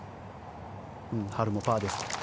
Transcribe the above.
ハルもパーです。